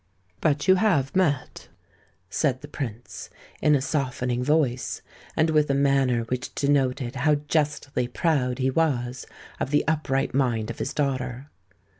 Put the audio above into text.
"But you have met?" said the Prince, in a softening voice, and with a manner which denoted how justly proud he was of the upright mind of his daughter.